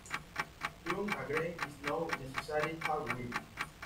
Trump agreement is not necessary, however.